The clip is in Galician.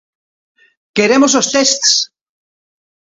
Queremos os tests!